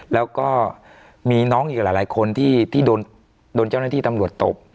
แล้วก็มีน้องอีกหลายคนที่โดนเจ้าหน้าที่ตำรวจตบ